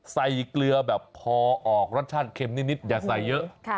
เกลือแบบพอออกรสชาติเค็มนิดอย่าใส่เยอะ